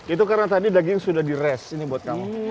itu karena tadi daging sudah di res ini buat kamu